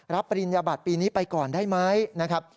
ปริญญาบัตรปีนี้ไปก่อนได้ไหมนะครับ